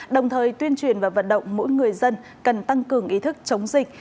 đồng thời tuyên truyền và vận động mỗi người dân cần tăng cường ý thức chống dịch